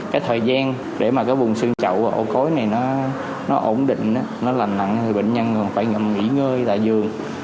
cái thời gian để mà vùng xương chậu và ổ cối này nó ổn định nó lành nặng thì bệnh nhân phải nghỉ ngơi tại giường